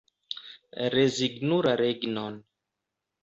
Rezignu la regnon.